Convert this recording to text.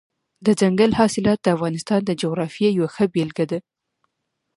دځنګل حاصلات د افغانستان د جغرافیې یوه ښه بېلګه ده.